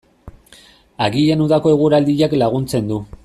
Agian udako eguraldiak laguntzen du.